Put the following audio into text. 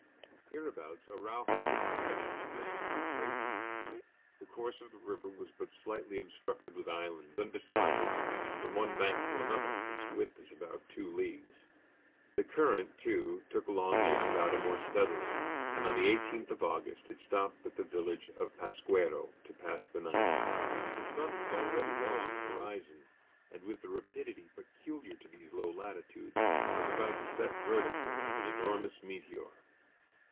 Hereabouts Araujo the pilot managed with great ease. The course of the river was but slightly obstructed with islands, and besides, from one bank to another its width is about two leagues. The current, too, took along the jangada more steadily, and on the 18th of August it stopped at the village of Pasquero to pass the night. The sun was already low on the horizon, and with the rapidity peculiar to these low latitudes, was about to set vertically, like an enormous meteor.